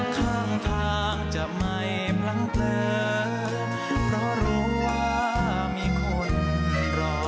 ข้างทางจะไม่พลั้งเผลอเพราะรู้ว่ามีคนรอ